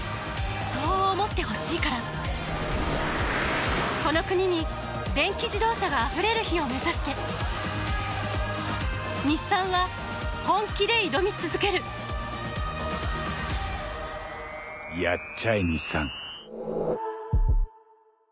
そう思ってほしいからこの国に電気自動車があふれる日を目指して日産は本気で挑み続けるやっ